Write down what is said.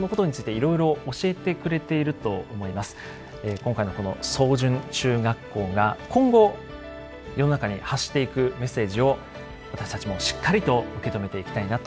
今回のこの草潤中学校が今後世の中に発していくメッセージを私たちもしっかりと受け止めていきたいなと思います。